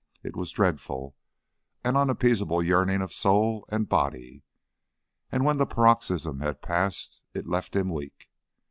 It was a dreadful, an unappeasable yearning of soul and body, and when the paroxysm had passed, it left him weak.